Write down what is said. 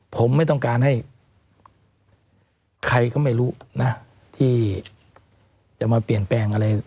ผมไม่ต้องการให้ใครก็ไม่รู้นะที่จะมาเปลี่ยนแปลงอะไร